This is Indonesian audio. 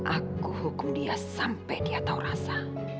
aku hukum dia sampai dia tahu rasa